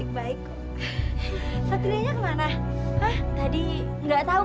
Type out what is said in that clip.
kamu gak boleh lihat gua